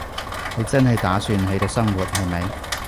你真係打算喺度生活，係咪？